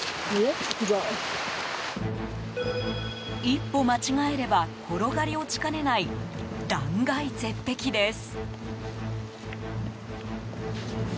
一歩間違えれば転がり落ちかねない断崖絶壁です。